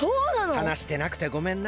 はなしてなくてごめんな。